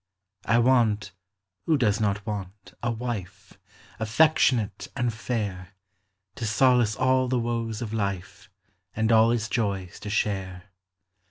I want (who does not want ?) a wife, — Affectionate and fair ; To solace all the woes of life, And all its joys to share.